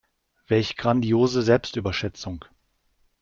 Welch grandiose Selbstüberschätzung.